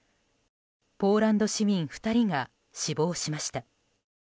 ポーランド市民２人が死亡しました。